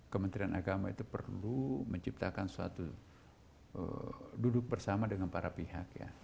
kementerian agama itu perlu menciptakan suatu duduk bersama dengan para pihak ya